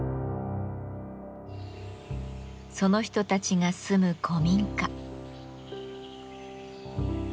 その人たちが住む古民家。